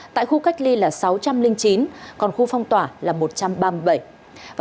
tại khu cách ly là sáu trăm linh chín còn khu phong tỏa là một trăm ba mươi bảy